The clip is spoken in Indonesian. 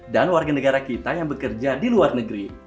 dan warga negara kita yang bekerja di luar negeri